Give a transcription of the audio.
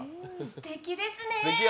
すてきですね。